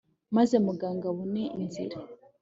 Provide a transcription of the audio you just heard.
maze muganga abone inzira